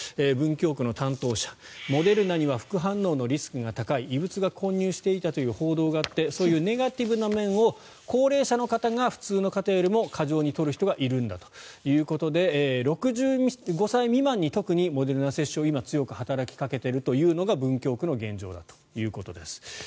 文京区の担当者モデルナには副反応のリスクが高い異物が混入していたという報道があってそういうネガティブな面を高齢者の方が普通の方よりも過剰に取る方がいるんだということで６５歳未満に特にモデルナ接種を強く働きかけているというのが文京区の現状です。